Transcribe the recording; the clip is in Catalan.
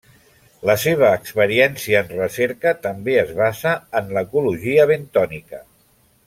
La seva experiència en recerca també es basa en l'ecologia bentònica.